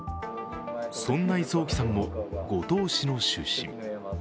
そんな磯沖さんも五島市の出身。